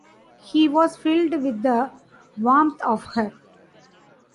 He was filled with the warmth of her.